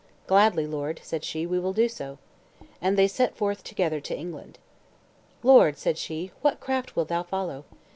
"Gladly, lord," said she, "we will do so." And they set forth together to England. "Lord," said she, "what craft wilt thou follow?